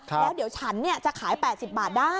แล้วเดี๋ยวฉันจะขาย๘๐บาทได้